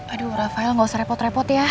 aduh rafael gak usah repot repot ya